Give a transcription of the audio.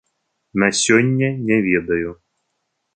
На сёння не ведаю.